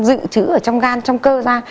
tự trữ ở trong gan trong cơ ra